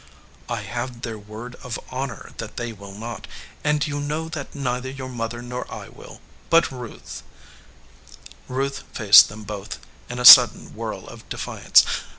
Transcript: "I have their word of honor that they will not, and you know that neither your mother nor I will, but Ruth " Ruth faced them both in a sudden whirl of defiance.